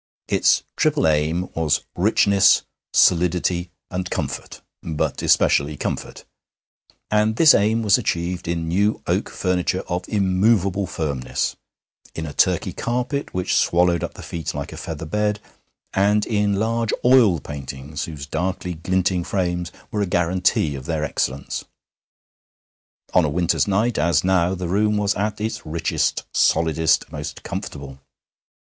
Its triple aim, was richness, solidity, and comfort, but especially comfort; and this aim was achieved in new oak furniture of immovable firmness, in a Turkey carpet which swallowed up the feet like a feather bed, and in large oil paintings, whose darkly glinting frames were a guarantee of their excellence. On a winter's night, as now, the room was at its richest, solidest, most comfortable.